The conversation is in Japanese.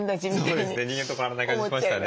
そうですね人間と変わらない感じしましたね。